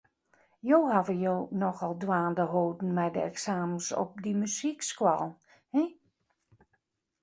Jo hawwe jo nochal dwaande holden mei de eksamens op dy muzykskoallen, hin.